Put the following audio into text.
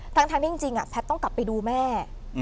ทั้งที่จริงแพทย์ต้องกลับไปดูแม่